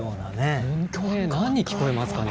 何に聞こえますかね？